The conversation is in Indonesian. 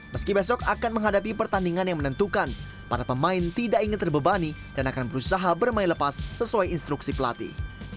meski besok akan menghadapi pertandingan yang menentukan para pemain tidak ingin terbebani dan akan berusaha bermain lepas sesuai instruksi pelatih